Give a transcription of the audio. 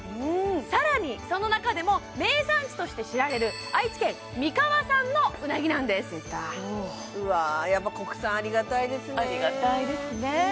更にその中でも名産地として知られる愛知県三河産のうなぎなんですやっぱ国産ありがたいですねありがたいですね